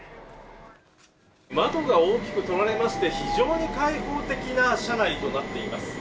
窓が大きく取られまして、非常に開放的な車内となっています。